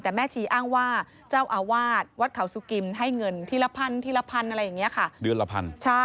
แต่แม่ชีอ้างว่าเจ้าอาวาสวัดเขาสุกริมให้เงินทีละพันอะไรอย่างนี้ค่ะ